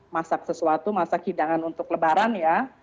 masak sesuatu masak hidangan untuk lebaran ya